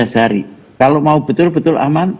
empat belas hari kalau mau betul betul